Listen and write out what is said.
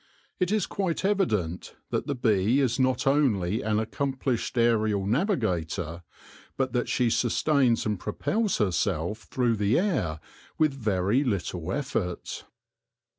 It is quite evident that the bee is not only an accomplished aerial navigator, but that she sustains and propels herself through the air with very little effort.